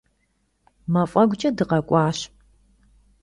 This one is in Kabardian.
Мафӏэгукӏэ дыкъакӏуащ.